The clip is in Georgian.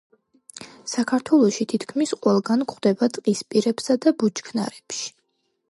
საქართველოში თითქმის ყველგან გვხვდება ტყისპირებსა და ბუჩქნარებში.